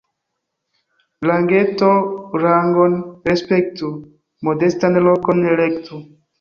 Rangeto rangon respektu, modestan lokon elektu.